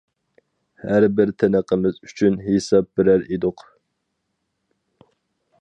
ھەر بىر تىنىقىمىز ئۈچۈن ھېساب بېرەر ئىدۇق.